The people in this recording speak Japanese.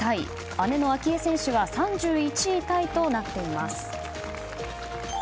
姉の明愛選手は３１位タイとなっています。